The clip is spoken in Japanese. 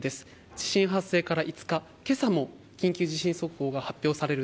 地震発生から５日今朝も緊急地震速報が発表される